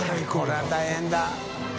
これは大変だ。